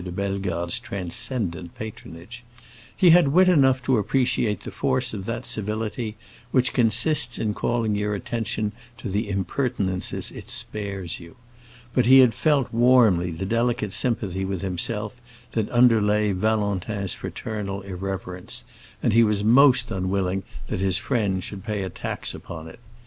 de Bellegarde's transcendent patronage. He had wit enough to appreciate the force of that civility which consists in calling your attention to the impertinences it spares you. But he had felt warmly the delicate sympathy with himself that underlay Valentin's fraternal irreverence, and he was most unwilling that his friend should pay a tax upon it.